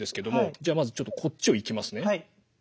じゃあまずこっちをいきますね。